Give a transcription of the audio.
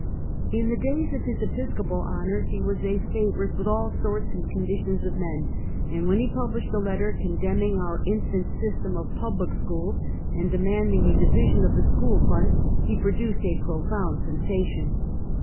In the days of his Episcopal honors, he was a favor ite with all sorts and conditions of men, and when he published a letter condemning our infant system of public schools, and demanding a division of the school fund, he produced a profound sensation.